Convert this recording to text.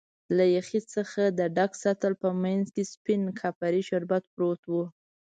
له یخی څخه د ډک سطل په مینځ کې سپین کاپري شربت پروت و.